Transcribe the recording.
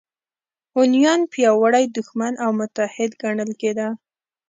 هونیان پیاوړی دښمن او متحد ګڼل کېده